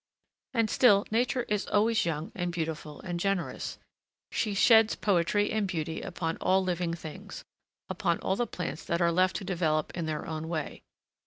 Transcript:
And still nature is always young and beautiful and generous. She sheds poetry and beauty upon all living things, upon all the plants that are left to develop in their own way.